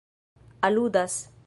aludas